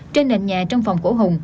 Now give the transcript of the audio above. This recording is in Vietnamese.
trên nền nhà trong phòng cổ hùng